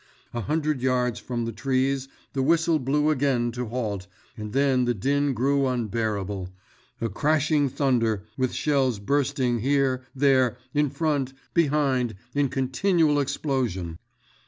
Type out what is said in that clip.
A hundred yards from the trees the whistle blew again to halt, and then the din grew unbearable, a crashing thunder with shells bursting here, there, in front, behind, in continual explosion.